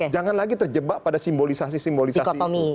jangan lagi terjebak pada simbolisasi simbolisasi itu